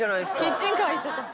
キッチンカー行っちゃった。